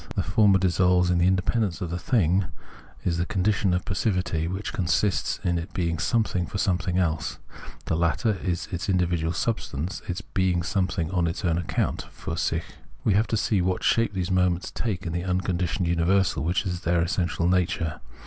The former dissolves the inde pendence of the thing, is the condition of passivity 128 Phenomenology of Mind which consists in being something for something else ; the latter is its individual subsistence, its being some thing on its own account {fiir sicli). We have to see what shape these moments take in the unconditioned universal which is their essential nature.